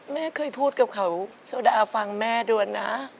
แม่เคยพูดกับเขาโซดาฟังแม่ด้วยนะ